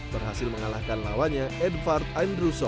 berhasil mengalahkan lawannya edward andrusso